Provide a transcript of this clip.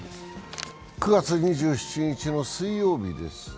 ９月２７日の水曜日です。